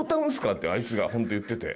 ってあいつがホント言ってて。